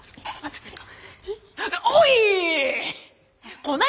おい！